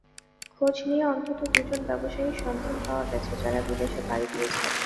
খোঁজ নিয়ে অন্তত দুজন ব্যবসায়ীর সন্ধান পাওয়া গেছে, যাঁরা বিদেশে পাড়ি দিয়েছেন।